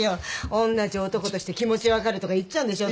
おんなじ男として気持ち分かるとか言っちゃうんでしょ